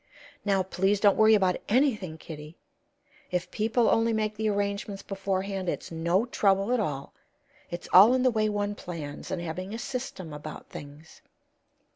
Now, please don't worry about anything, Kitty! If people only make the arrangements beforehand, it's no trouble at all. It's all in the way one plans, and having a system about things."